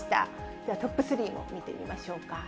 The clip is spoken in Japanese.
ではトップスリーを見てみましょうか。